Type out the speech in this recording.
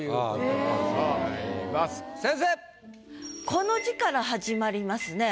この字から始まりますね。